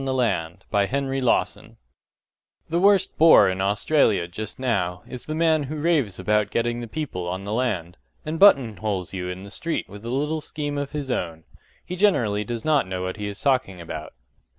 SETTLING ON THE LAND The worst bore in Australia just now is the man who raves about getting the people on the land, and button holes you in the street with a little scheme of his own. He generally does not know what he is talking about.